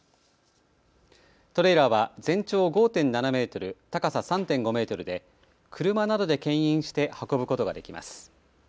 トレーラーは全長５．７メートル、高さ３．５メートルで車などでけん引して運ぶことができます。